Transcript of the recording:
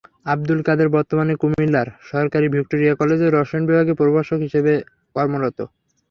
আবদুল কাদের বর্তমানে কুমিল্লার সরকারি ভিক্টোরিয়া কলেজের রসায়ন বিভাগে প্রভাষক হিসেবে কর্মরত।